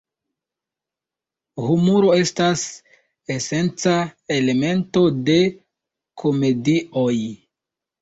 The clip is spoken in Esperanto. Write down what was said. Humuro estas esenca elemento de komedioj.